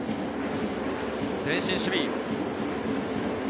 前進守備。